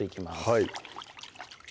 はい